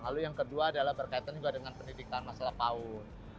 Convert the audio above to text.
lalu yang kedua adalah berkaitan juga dengan pendidikan masalah paut